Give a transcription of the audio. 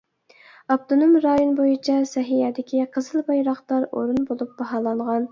ئاپتونوم رايون بويىچە سەھىيەدىكى قىزىل بايراقدار ئورۇن بولۇپ باھالانغان.